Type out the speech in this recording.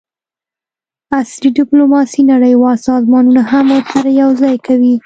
عصري ډیپلوماسي نړیوال سازمانونه هم ورسره یوځای کوي